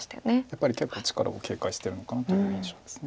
やっぱり結構力碁を警戒してるのかなという印象です。